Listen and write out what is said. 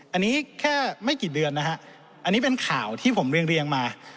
อันนี้แค่ไม่กี่เดือนนะฮะอันนี้เป็นข่าวที่ผมเรียงมา